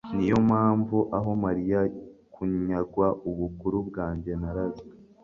ni yo mpamvu, aho mariye kunyagwa ubukuru bwanjye narazwe